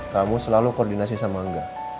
kamu selalu koordinasi sama enggak